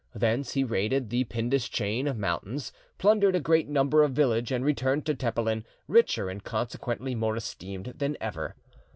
Thence he raided the Pindus chain of mountains, plundered a great number of villages, and returned to Tepelen, richer and consequently more esteemed than ever.